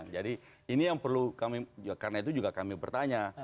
ini yang perlu kami karena itu juga kami bertanya